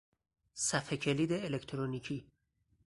صفحه کلید الکترونیکی